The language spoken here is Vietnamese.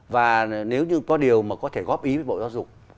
và nếu như có điều mà có thể góp ý với bộ giáo dục